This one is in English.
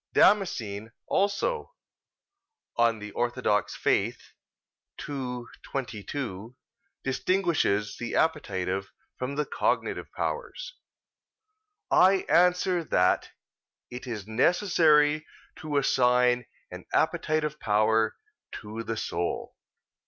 Damascene also (De Fide Orth. ii, 22) distinguishes the appetitive from the cognitive powers. I answer that, It is necessary to assign an appetitive power to the soul.